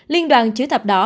liên đoàn chữ thập đỏ